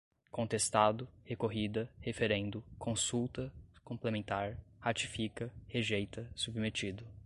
contestado, recorrida, referendo, consulta, complementar, ratifica, rejeita, submetido